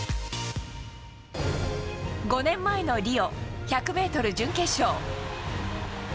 ５年前のリオ、１００ｍ準決勝。